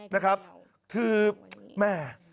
นะครับคือแม่